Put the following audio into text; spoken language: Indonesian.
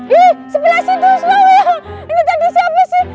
iih sebelah situ snowy ini tadi siapa sih